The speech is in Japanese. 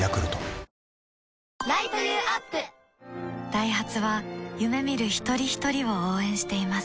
ダイハツは夢見る一人ひとりを応援しています